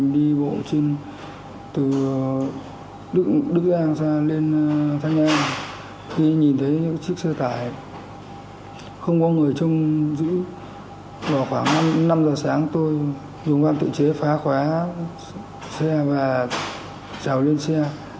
dùng vam tự chế phá khóa xe và chào lên xe